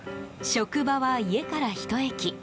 職場は家から、ひと駅。